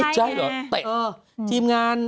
ใช่ทีมงาน